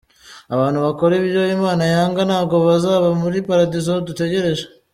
Abantu bakora ibyo imana yanga, ntabwo bazaba muli paradizo dutegereje.